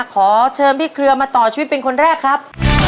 ขอเชิญพี่เครือมาต่อชีวิตเป็นคนแรกครับ